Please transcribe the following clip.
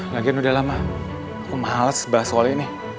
lagian udah lama aku males bahas soal ini